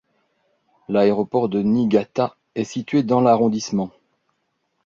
L'aéroport de Niigata est situé dans l'arrondissement.